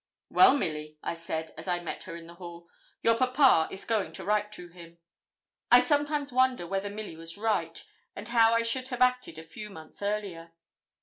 'Well, Milly,' I said, as I met her in the hall, 'your papa is going to write to him.' I sometimes wonder whether Milly was right, and how I should have acted a few months earlier.